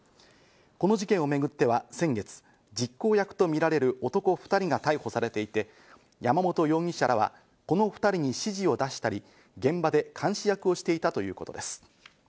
この事件をめぐっては、先月、実行役とみられる男２人が逮捕されていて、山本容疑者らは、この２人に指示を出したり、現場で監視役をしていたということです。